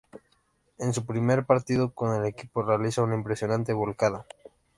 En su primer partido con el equipo realiza una impresionante volcada.